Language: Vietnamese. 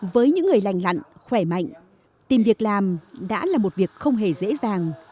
với những người lành lặn khỏe mạnh tìm việc làm đã là một việc không hề dễ dàng